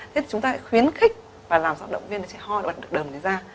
thế thì chúng ta hãy khuyến khích và làm sao động viên đứa trẻ ho và bật được đờm này ra